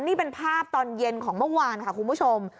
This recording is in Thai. นี่เป็นภาพตอนเย็นของเมื่อวานค่ะคุณผู้ชม